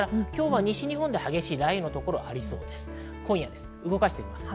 西日本で激しい雷雨のところがありそうです。